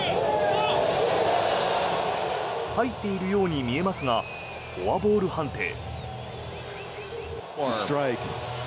入っているように見えますがフォアボール判定。